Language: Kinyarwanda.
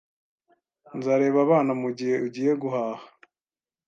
Nzareba abana mugihe ugiye guhaha